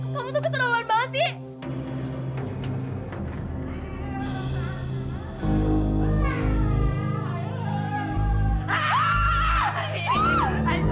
kamu tuh keterlaluan banget sih